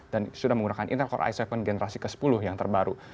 dan sudah menggunakan intel core i tujuh generasi ke sepuluh yang terbaru